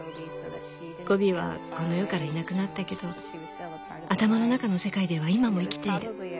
ゴビはこの世からいなくなったけど頭の中の世界では今も生きている。